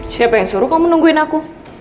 siapa yang suruh kamu menungguin aku